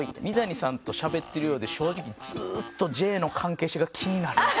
三谷さんとしゃべってるようで正直ずーっとＪの関係者が気になる。